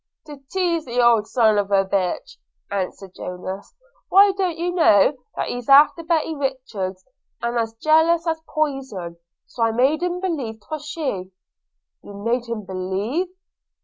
'To tease the old son of a b –,' answered Jonas. 'Why, don't you know that he's after Betty Richards, and as jealous as poison? – So I made him believe 'twas she.' 'You made him believe!'